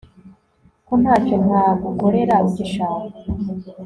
ko ntacyo ntagukorera ugishaka